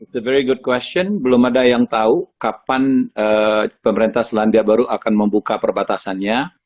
the very good question belum ada yang tahu kapan pemerintah selandia baru akan membuka perbatasannya